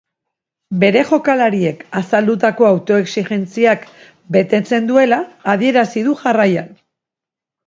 Bere jokalariek azaldutako autoexigentziak betetzen duela adierazi du jarraian.